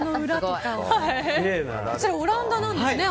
オランダなんですね。